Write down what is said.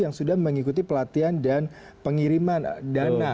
yang sudah mengikuti pelatihan dan pengiriman dana